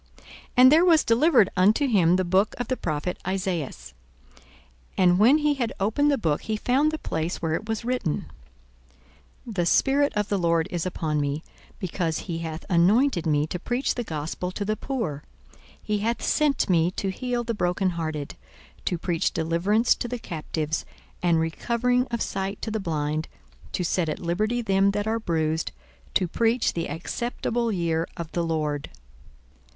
42:004:017 And there was delivered unto him the book of the prophet Esaias. And when he had opened the book, he found the place where it was written, 42:004:018 The Spirit of the Lord is upon me, because he hath anointed me to preach the gospel to the poor; he hath sent me to heal the brokenhearted, to preach deliverance to the captives, and recovering of sight to the blind, to set at liberty them that are bruised, 42:004:019 To preach the acceptable year of the Lord.